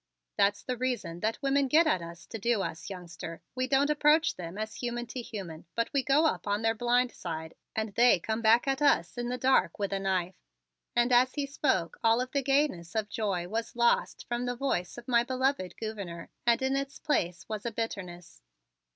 "That's the reason that women get at us to do us, youngster; we don't approach them as human to human but we go up on their blind side and they come back at us in the dark with a knife." And as he spoke all of the gayness of joy was lost from the voice of my beloved Gouverneur and in its place was a bitterness.